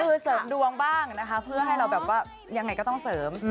คือเสริมดวงบ้างนะคะเพื่อให้เราแบบว่ายังไงก็ต้องเสริม